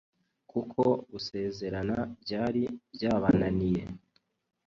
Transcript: kuko gusezerana byari byabananiye